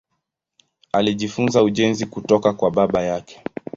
Alijifunza ujenzi kutoka kwa baba yake.